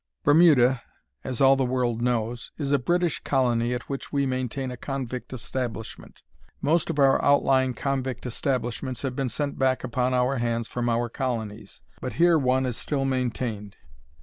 Bermuda, as all the world knows, is a British colony at which we maintain a convict establishment. Most of our outlying convict establishments have been sent back upon our hands from our colonies, but here one is still maintained.